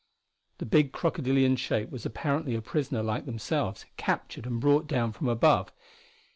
The big crocodilian shape was apparently a prisoner like themselves, captured and brought down from above.